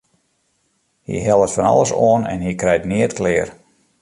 Hy hellet fan alles oan en hy krijt neat klear.